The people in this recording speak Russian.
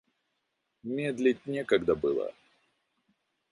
Медлить некогда было.